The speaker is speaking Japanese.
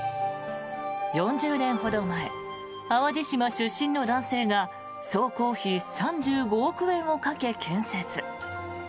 ４０年ほど前淡路島出身の男性が総工費３５億円をかけ、建設。